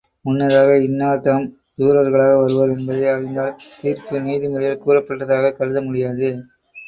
முன்னதாக இன்னார் தாம் ஜூரர்களாக வருவர் என்பதை அறிந்தால் தீர்ப்பு நீதி முறையில் கூறப்பட்டதாகக் கருத முடியாது.